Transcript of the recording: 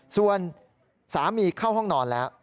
ส่วนสามีเข้าห้องนอนแล้ว